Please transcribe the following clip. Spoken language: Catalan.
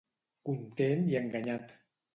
Content i enganyat.